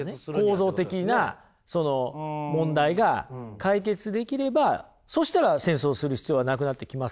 構造的な問題が解決できればそしたら戦争する必要はなくなってきますよね。